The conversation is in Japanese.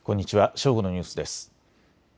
正午のニュースです。